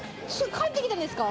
帰ってきたんですか？